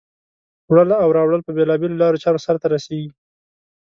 وړل او راوړل په بېلا بېلو لارو چارو سرته رسیږي.